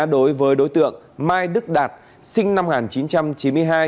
đối với đối tượng mai đức đạt sinh năm một nghìn chín trăm chín mươi hai